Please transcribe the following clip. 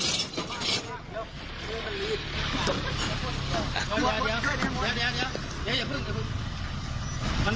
เดี๋ยวอย่าขึ้น